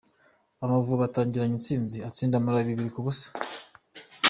Amavubi atangiranye intsinzi atsinda Malawi bibiri kubusa